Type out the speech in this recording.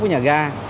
của nhà ga